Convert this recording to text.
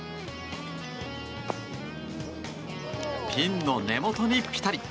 ピンの根元にピタリ。